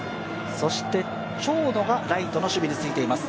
長野がライトの守備についています。